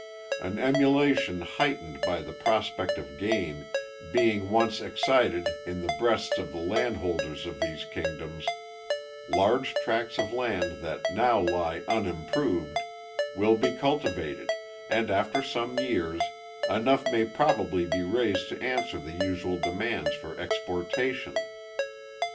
An emulation, heightened by the prospect of gain, being once excited in the breasts of the landholders of these kingdoms, large tracks of land that now lie unimproved, will be cultivated, and, after some years, enough may probably be raised to answer the usual demands for exportation.